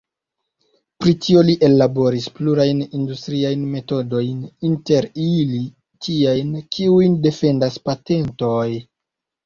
Pri tio li ellaboris plurajn industriajn metodojn, inter ili tiajn, kiujn defendas patentoj.